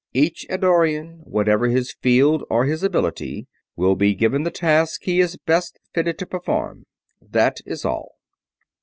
Each Eddorian, whatever his field or his ability, will be given the task he is best fitted to perform. That is all."